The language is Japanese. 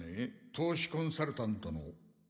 投資コンサルタントの。